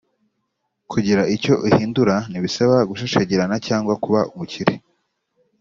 kugira icyo uhindura nibisaba kushashagirana cyangwa kuba umukire